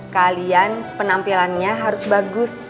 kalian penampilannya harus bagus